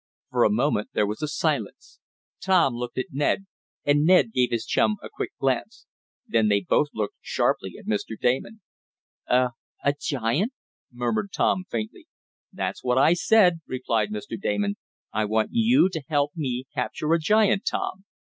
For a moment there was a silence. Tom looked at Ned, and Ned gave his chum a quick glance. Then they both looked sharply at Mr. Damon. "A a giant," murmured Tom faintly. "That's what I said," replied Mr. Damon. "I want you to help me capture a giant, Tom."